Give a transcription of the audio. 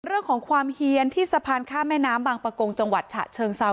เรื่องของความเฮียนที่สะพานข้ามแม่น้ำบางประกงจังหวัดฉะเชิงเซา